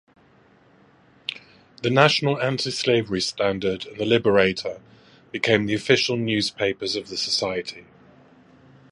The National Anti-Slavery Standard and "The Liberator" became the official newspapers of the society.